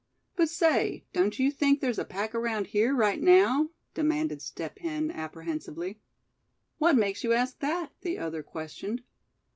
"But, say, don't you think there's a pack around here, right now?" demanded Step Hen, apprehensively. "What makes you ask that?" the other questioned.